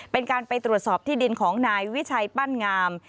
เป็นการไปตรวจสอบที่ดินของนายวิชัยปั้นงาม